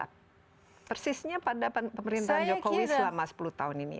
persisnya pada pemerintahan jokowi selama sepuluh tahun ini